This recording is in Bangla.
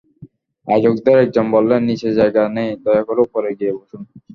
আয়োজকদের একজন বললেন, নিচে জায়গা নেই, দয়া করে ওপরে গিয়ে বসুন।